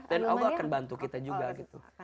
dan allah akan bantu kita juga gitu